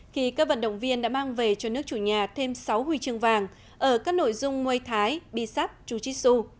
khi các vận động viên đã mang về cho nước chủ nhà thêm sáu huy chương vàng ở các nội dung môi thái bi sắp chu chi su